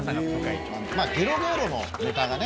「ゲロゲーロ」のネタがね